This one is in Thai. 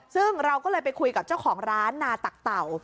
ซึ่งเราก็เลยไปคุยกับเจ้าของร้านนาตักเต่า